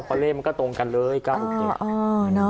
เพราะเลขมันก็ตรงกันเลย๙๖๗